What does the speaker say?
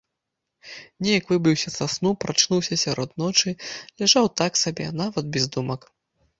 Неяк выбіўся са сну, прачнуўся сярод ночы, ляжаў так сабе, нават без думак.